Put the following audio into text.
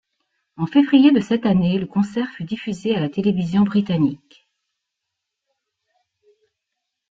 En février de cette année, le concert fut diffusé à la télévision britannique.